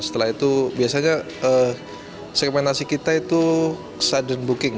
setelah itu biasanya segmentasi kita itu sudden booking